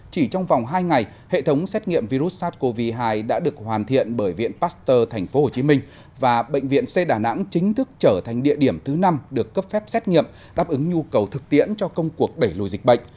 chỉ trong vòng hai ngày hệ thống xét nghiệm virus sars cov hai đã được hoàn thiện bởi viện pasteur tp hcm và bệnh viện c đà nẵng chính thức trở thành địa điểm thứ năm được cấp phép xét nghiệm đáp ứng nhu cầu thực tiễn cho công cuộc đẩy lùi dịch bệnh